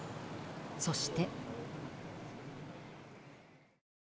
そして。